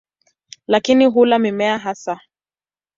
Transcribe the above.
Lakini hula mimea hasa.